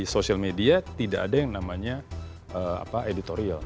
social media tidak ada yang namanya editorial